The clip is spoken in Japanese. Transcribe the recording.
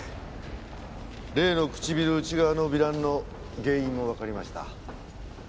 例の唇内側の糜爛の原因もわかりました。